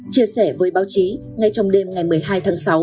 chia sẻ với báo chí ngay trong đêm ngày một mươi hai tháng sáu